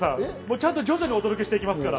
徐々にお届けしていきますから。